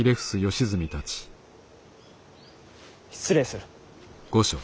失礼する。